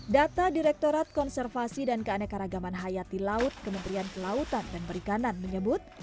data direktorat konservasi dan keanekaragaman hayati laut kementerian kelautan dan perikanan menyebut